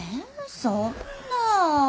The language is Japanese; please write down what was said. そんな。